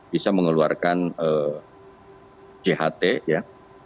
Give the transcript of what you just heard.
bisa mengeluarkan cht ya